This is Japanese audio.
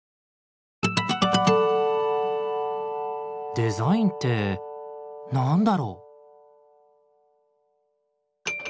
「デザインって何だろう？」。